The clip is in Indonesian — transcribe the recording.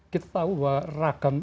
kita tahu bahwa ragam